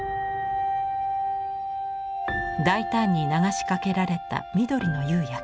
大胆に流しかけられた緑の釉薬。